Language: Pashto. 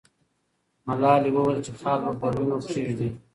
ملالۍ وویل چې خال به پر وینو کښېږدي.